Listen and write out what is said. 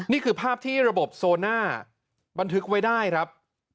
นี่คือภาพที่ระบบโซน่าบันทึกไว้ได้ครับ